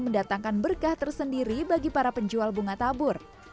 mendatangkan berkah tersendiri bagi para penjual bunga tabur